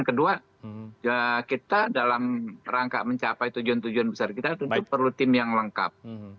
dan kedua kita dalam rangka mencapai tujuan tujuan besar kita tentu perlu tim yang lengkap